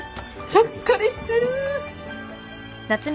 ちゃっかりしてる。